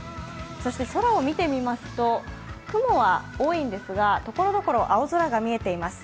そして空を見てみますと雲は多いんですが、ところどころ青空が見えています。